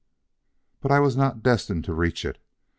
But I was not destined to reach it.